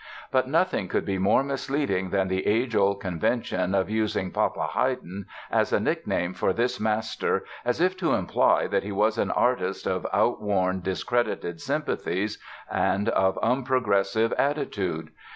But nothing could be more misleading than the age old convention of using "Papa Haydn" as a nickname for this master as if to imply that he was an artist of outworn, discredited sympathies and of unprogressive attitude.